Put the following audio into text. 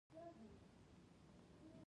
ګیلاس له پاکۍ سره ښکلی وي.